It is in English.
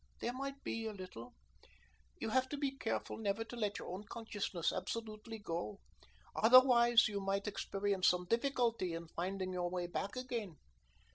"There might be a little. You have to be careful never to let your own consciousness absolutely go; otherwise, you might experience some difficulty in finding your way back again.